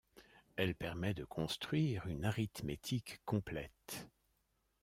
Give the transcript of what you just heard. Elle permet de construire une arithmétique complète.